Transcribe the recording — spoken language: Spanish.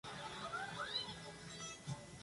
Tablas ha sido poco afectada por el turismo.